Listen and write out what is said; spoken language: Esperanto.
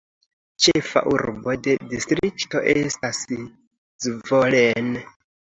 Ĉefa urbo de distrikto estas Zvolen.